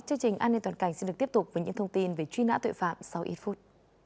chương trình an ninh toàn cảnh xin được tiếp tục với những thông tin về truy nã tội phạm sau ít phút